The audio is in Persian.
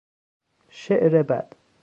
شعر بد